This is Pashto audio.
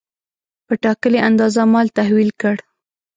په ټاکلې اندازه مال تحویل کړ.